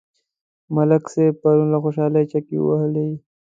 ملک صاحب پرون له خوشحالۍ چکې وهلې.